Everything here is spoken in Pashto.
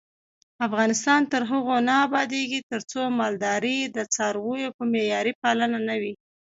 افغانستان تر هغو نه ابادیږي، ترڅو مالداري د څارویو په معیاري پالنه نه وي.